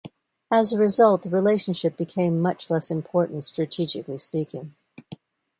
As a result, the relationship became much less important strategically speaking.